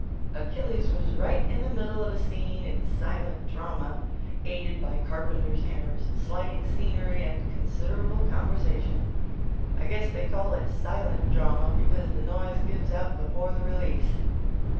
Achilles was right in the middle of a scene in silent drama, aided by carpenters' hammers, .sliding scenery and considerable conversation. I guess they call it silent drama because the noise gives out before the release.